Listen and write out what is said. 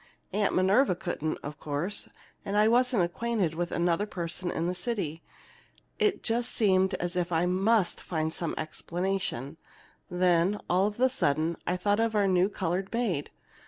Aunt Minerva couldn't, of course, and I wasn't acquainted with another person in the city. It just seemed as if I must find some explanation. Then, all of a sudden, I thought of our new colored maid.